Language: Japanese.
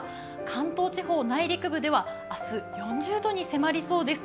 関東地方内陸部では明日４０度に迫りそうです。